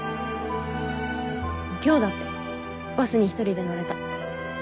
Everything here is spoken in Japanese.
今日だってバスに１人で乗れた。